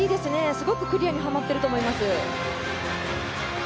すごくクリアにはまっています。